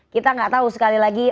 kita nggak tahu sekali lagi